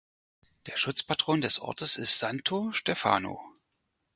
Der Schutzpatron des Ortes ist Santo Stefano.